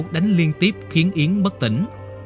đánh liên tiếp khiến yến bất tỉnh